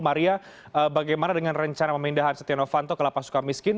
maria bagaimana dengan rencana pemindahan setia novanto ke lapas suka miskin